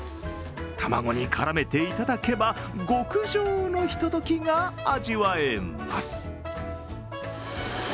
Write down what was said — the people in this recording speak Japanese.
卵に絡めていただけば極上のひとときが味わえます。